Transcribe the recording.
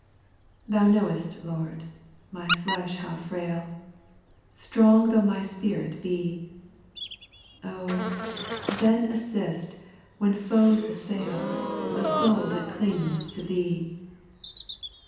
) 8. ( Thou knowest, Lord, my flesh how frail, Strong tho' my spirit be ; Oh 1 then assist, when foes assail, The soul that clings to Thee.